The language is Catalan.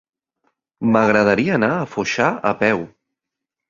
M'agradaria anar a Foixà a peu.